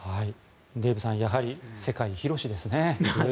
デーブさんやはり世界は広しですね。